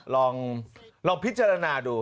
ลองพิจารณาดู